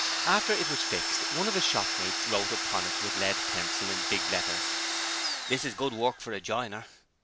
After it was fixed, one of his shopmates wrote upon it with lead pencil in big letters: 'This is good work for a joiner.